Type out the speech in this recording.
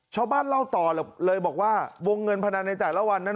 ชาวบ้านเล่าต่อเลยบอกว่าวงเงินพนันในแต่ละวันนั้น